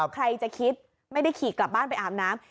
ใครจะคิดไม่ได้ขี่กลับบ้านไปอาบน้ำ